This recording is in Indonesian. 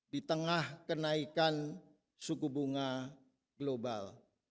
di tengah kenaikan suku bunga global